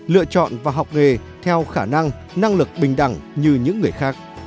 lựa chọn và học nghề theo khả năng năng lực bình đẳng như những người khác